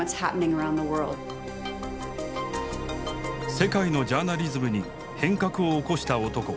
世界のジャーナリズムに変革を起こした男。